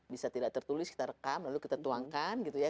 bisa tidak tertulis kita rekam lalu kita tuangkan gitu ya